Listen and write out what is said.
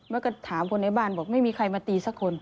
แล้วก็ถามคนในบ้านบอกไม่มีใครมาตีสักคน